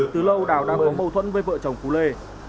từ lâu đào đang có mâu thuẫn với vợ chồng phú lê